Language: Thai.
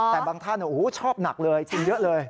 แต่บางท่านชอบหนักเลยกินเยอะเลย